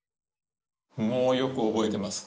もうよく覚えてます